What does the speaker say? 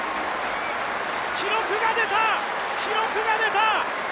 記録が出た、記録が出た。